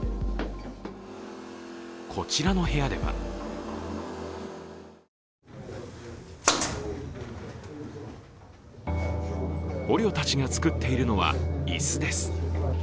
こちらの部屋では捕虜たちが作っているのは椅子です。